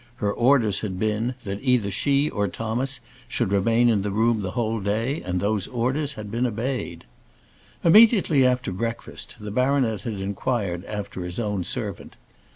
Her orders had been, that either she or Thomas should remain in the room the whole day, and those orders had been obeyed. Immediately after breakfast, the baronet had inquired after his own servant.